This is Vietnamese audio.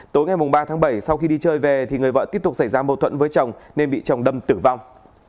tối ngày ba tháng bảy sau khi đi chơi về thì người vợ tiếp tục xảy ra mâu thuẫn với chồng nên bị chồng đâm tử vong